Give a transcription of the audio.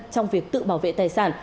trong việc tự bảo vệ tài sản